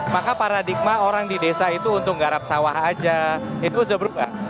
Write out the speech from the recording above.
maka paradigma orang di desa itu untuk garap sawah aja itu sudah berubah